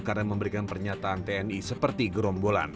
karena memberikan pernyataan tni seperti gerombolan